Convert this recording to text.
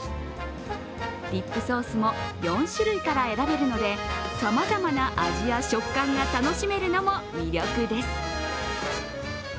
ディップソースも４種類から選べるので、さまざまな味や食感が楽しめるのも魅力です。